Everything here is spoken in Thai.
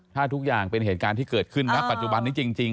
ถ้าทุกอย่างเป็นเหตุการณ์ที่เกิดขึ้นณปัจจุบันนี้จริง